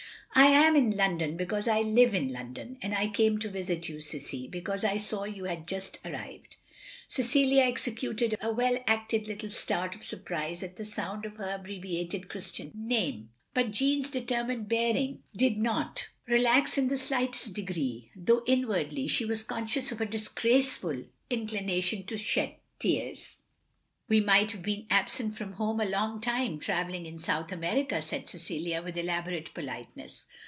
"I am in Lrondon because I live in London; and I came to visit you, Cissie, because I saw you had just arrived." Cecilia executed a well acted little start of surprise at the sotind of her abbreviated Christian name; but Jeanne's determined bearing did not i66 THE LONELY LADY relax in the slightest degree, though inwardly she was conscious of a disgraceful inclination to shed tears. "We have been absent from home a long time; travelling in South America,*' said Cecilia, with elaborate politeness.